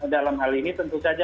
dalam hal ini tentu saja